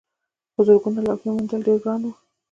خو زرګونه لوحې موندل ډېر ګران وي.